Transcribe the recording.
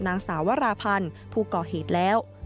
นางสาววราพันธ์ผู้ก่อเหตุแล้ว